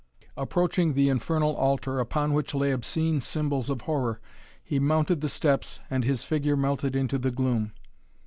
Approaching the infernal altar, upon which lay obscene symbols of horror, he mounted the steps and his figure melted into the gloom.